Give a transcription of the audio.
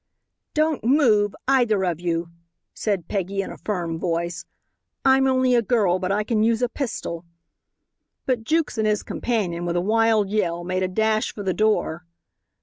"Don't move, either of you," said Peggy, in a firm voice. "I'm only a girl, but I can use a pistol." But Jukes and his companion, with a wild yell, made a dash for the door.